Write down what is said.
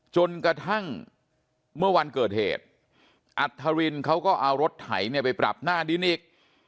จนกระทั่งเมื่อวันเกิดเหตุอัธรินเขาก็เอารถไถเนี่ยไปปรับหน้าดินอีก